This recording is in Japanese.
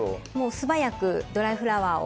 素早くドライフラワーを。